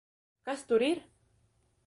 Kas tur ir?